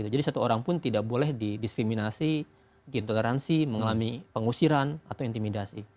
jadi satu orang pun tidak boleh didiskriminasi diintoleransi mengalami pengusiran atau intimidasi